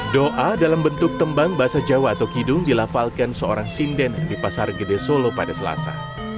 doa dalam bentuk tembang bahasa jawa atau kidung dilafalkan seorang sinden di pasar gede solo pada selasa